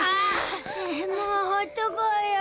ハァもう放っとこうよ。